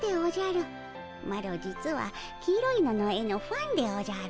マロ実は黄色いのの絵のファンでおじゃる。